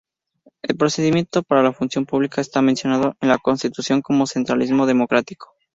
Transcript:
El procedimiento para la función pública está mencionado en la Constitución como centralismo democrático.